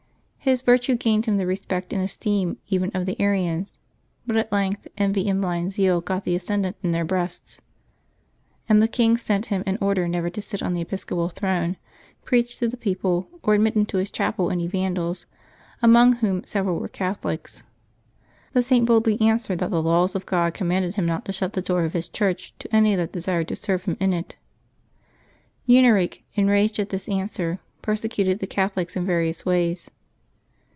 His Yirtue gained him the respect and esteem even of the Arians; but at length envy and blind zeal got the ascend ant in their breasts, and the king sent him an order never to sit on the episcopal throne, preach to the people, or admit into his chapel any A^andals, among whom several were Catholics. The Saint boldly answered that the laws of God commanded him not to shut the door of His church to any that desired to serve Him in it. Huneric, enraged at this answer, persecuted the Catholics in various ways.